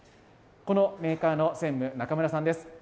このメーカーの専務、中村さんです。